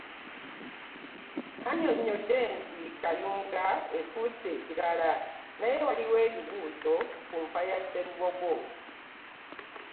Annyonnyodde nti Kayunga efuuse ekirala naye waliwo ebibuuzo ku nfa ya Sserubogo